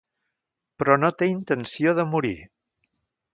Però no té intenció de morir.